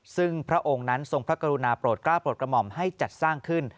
ซึ่งพระองค์นั้นทรงพระกรุณาโปรดกล้าโปรดกระหม่อมให้จัดสร้างขึ้น